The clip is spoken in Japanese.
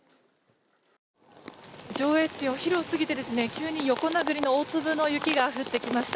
上越市、お昼を過ぎていきなり横殴りの大粒の雪が降ってきました。